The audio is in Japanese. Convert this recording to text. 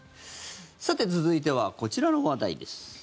さて、続いてはこちらの話題です。